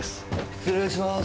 失礼しまーす。